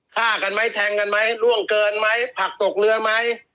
ฆ่ากันไหมแทงกันไหมล่วงเกินไหมผักตกเรือไหม